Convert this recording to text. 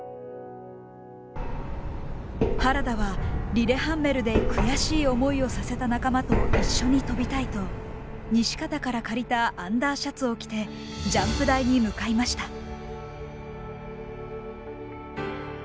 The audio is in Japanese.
原田はリレハンメルで悔しい思いをさせた仲間と一緒に飛びたいと西方から借りたアンダーシャツを着てジャンプ台に向かいました。